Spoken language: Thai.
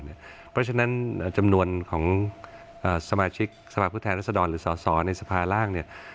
เพราะฉะนั้นจำนวนของสมาชิกสภาพผู้แทนรัศดรหรือสอสอในสภาร่างเนี่ย